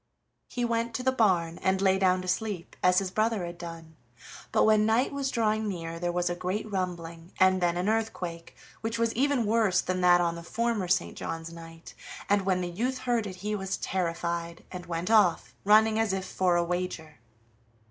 He went to the barn and lay down to sleep, as his brother had done; but when night was drawing near there was a great rumbling, and then an earthquake, which was even worse than that on the former St. John's night, and when the youth heard it he was terrified, and went off, running as if for a wager.